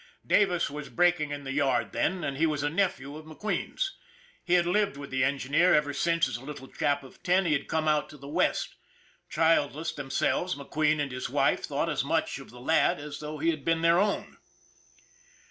Davis was brak ing in the yard then, and he was a nephew of Mc Queen's. He had lived with the engineer ever since, as a little chap of ten, he had come out to the West. Childless themselves, McQueen and his wife thought as much of the lad as though he had been their own.